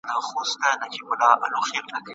¬ بې عقل دونه په بل نه کوي، لکه په ځان.